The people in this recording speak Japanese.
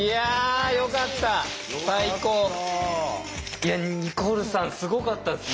いやニコルさんすごかったですね。